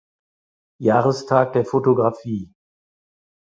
Jahrestag der Fotografie.